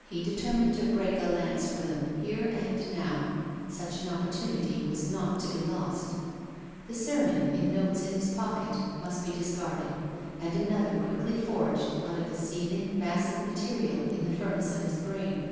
He determined to break a lance for them, here and now— such an opportunity was not to be lost. The sermon, in notes in his pocket, must be discarded, and another quickly forged out of the seething mass of material in the furnace of his brain.